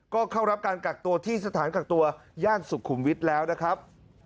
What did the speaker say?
ก็เข้ารับการกักตัวที่สถานกักตัวย่านสุขุมวิทย์แล้วนะครับ